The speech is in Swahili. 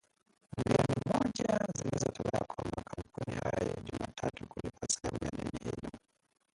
milioni mmoja zilitolewa kwa makampuni hayo Jumatatu kulipa sehemu ya deni hilo